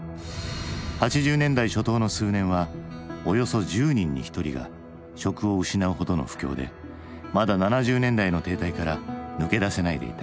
８０年代初頭の数年はおよそ１０人に１人が職を失うほどの不況でまだ７０年代の停滞から抜け出せないでいた。